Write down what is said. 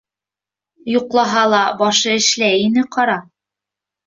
Йоҡлаһа ла, башы эшләй ине ҡара